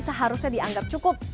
seharusnya dianggap cukup